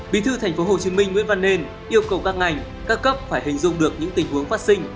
bí thư tp hcm nguyễn văn nên yêu cầu các ngành các cấp phải hình dung được những tình huống phát sinh